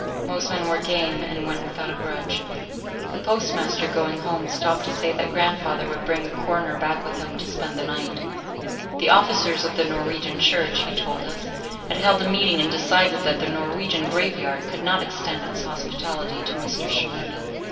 Most men were game, and went without a grudge. The postmaster, going home, stopped to say that grandfather would bring the coroner back with him to spend the night. The officers of the Norwegian church, he told us, had held a meeting and decided that the Norwegian graveyard could not extend its hospitality to Mr. Shimerda.